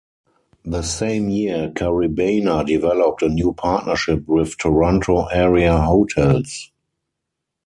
The same year, Caribana developed a new partnership with Toronto-area hotels.